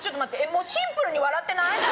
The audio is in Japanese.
もうシンプルに笑ってない？